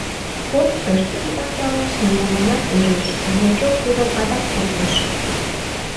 Поп тыш-туш ончалеш, нимоланат ӧреш: дьячок тудым адак куклыш.